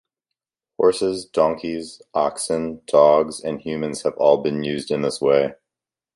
Horses, donkeys, oxen, dogs, and humans have all been used in this way.